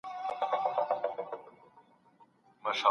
څنګه رسنۍ د خلګو محرمیت ساتي؟